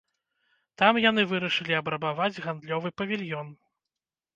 Там яны вырашылі абрабаваць гандлёвы павільён.